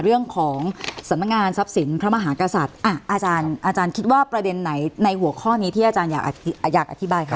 สำนักงานทรัพย์สินพระมหากษัตริย์อาจารย์คิดว่าประเด็นไหนในหัวข้อนี้ที่อาจารย์อยากอธิบายคะ